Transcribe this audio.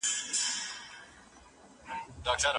که غواړې پوه شې، نو ډېر کتابونه لوله.